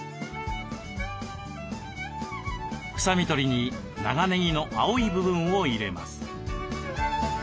臭み取りに長ねぎの青い部分を入れます。